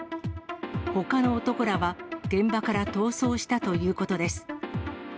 ほかの男らは現場から逃走したということです。